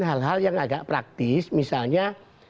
hal hal yang agak praktis misalnya